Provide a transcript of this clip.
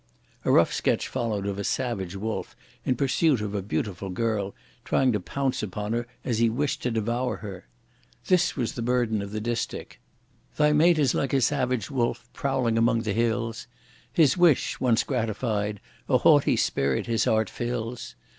A rough sketch followed of a savage wolf, in pursuit of a beautiful girl, trying to pounce upon her as he wished to devour her. This was the burden of the distich: Thy mate is like a savage wolf prowling among the hills; His wish once gratified a haughty spirit his heart fills!